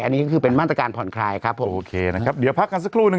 อันนี้ก็คือเป็นมาตรการผ่อนคลายครับผมโอเคนะครับเดี๋ยวพักกันสักครู่นึ